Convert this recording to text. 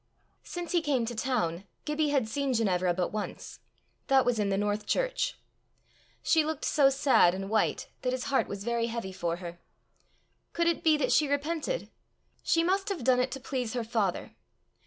Since he came to town, Gibbie had seen Ginevra but once that was in the North church. She looked so sad and white that his heart was very heavy for her. Could it be that she repented? She must have done it to please her father!